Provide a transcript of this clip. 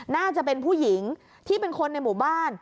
น่าจะเป็นผู้หญิงที่เป็นคนในหมู่บ้าน